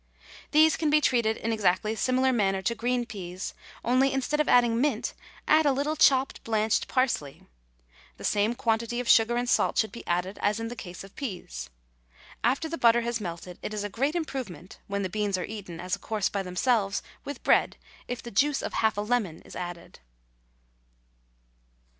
These can be treated in exactly similar manner to green peas, only, instead of adding mint, add a little chopped blanched parsley; the same quantity of sugar and salt should be added as in the case of peas. After the butter has melted, it is a great improvement, when the beans are eaten as a course by themselves, with bread, if the juice of half a lemon is added.